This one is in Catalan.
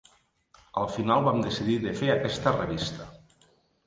Al final vam decidir de fer aquesta revista.